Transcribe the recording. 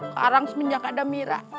karang semenjak ada mira